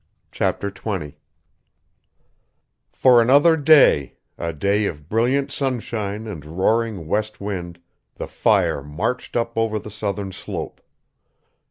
CHAPTER XX For another day, a day of brilliant sunshine and roaring west wind, the fire marched up over the southern slope.